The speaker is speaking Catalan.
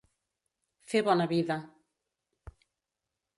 Fer bona vida.